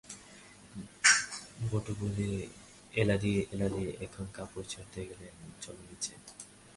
বটু বললে, এলাদি– এলাদি এখন কাপড় ছাড়তে গেলেন, চলো নিচে।